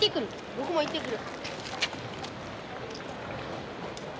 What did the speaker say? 僕も行ってくる。